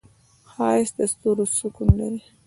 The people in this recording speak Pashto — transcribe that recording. ښایست د ستورو سکون لري